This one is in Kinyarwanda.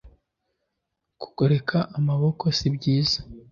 kugoreka amaboko sibyiza.